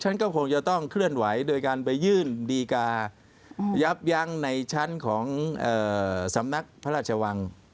ฉันก็คงจะต้องเคลื่อนไหวโดยการไปยื่นดีกายับยั้งในชั้นของสำนักพระราชวัง